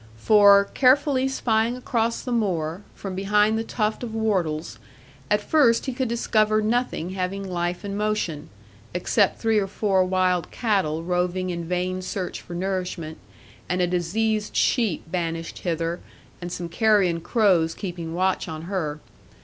For, carefully spying across the moor, from behind the tuft of whortles, at first he could discover nothing having life and motion, except three or four wild cattle roving in vain search for nourishment, and a diseased sheep banished hither, and some carrion crows keeping watch on her.